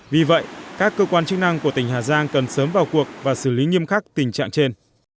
vì vậy các cơ quan chức năng của tỉnh hà giang cần sớm vào cuộc và xử lý nghiêm khắc tình trạng trên